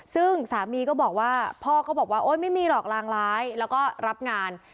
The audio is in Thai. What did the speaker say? ซึ่งสามีก็บอกว่าพ่อก็บอกว่าโอ๊ยไม่มีหรอกรางร้ายแล้วก็รับงาน